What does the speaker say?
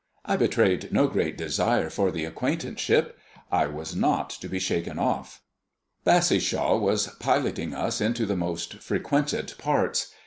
I betrayed no great desire for the acquaintanceship. I was not to be shaken off. Bassishaw was piloting us into the most frequented parts.